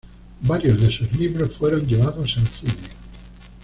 Varios de sus libros fueron llevados al cine.